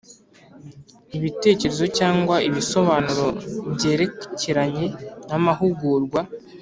ibitekerezo cyangwa ibisobanuro byerekeranye n amahugurwa